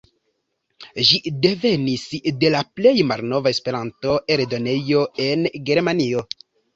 Ĝi devenis de la plej malnova Esperanto-eldonejo en Germanio.